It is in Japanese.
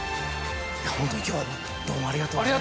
ホントに今日はどうもありがとうございました。